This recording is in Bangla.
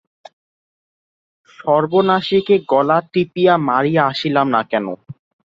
সর্বনাশীকে গলা টিপিয়া মারিয়া আসিলাম না কেন।